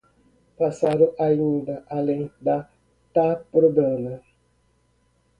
Passaram ainda além da Taprobana